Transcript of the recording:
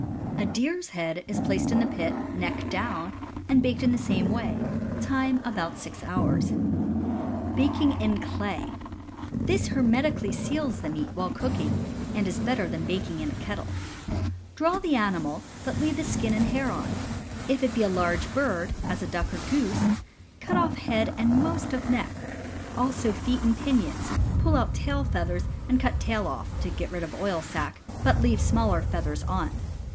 A deer's head is placed in the pit, neck down, and baked in the same way: time about six hours. Baking in Clay. — This hermetically seals the meat while cooking, and is better than baking in a kettle. Draw the animal, but leave the skin and hair on. If it be a large bird, as a duck or goose, cut off head and most of neck, also feet and pinions, pull out tail feathers and cut tail off (to get rid of oil sac), but leave smaller feathers on.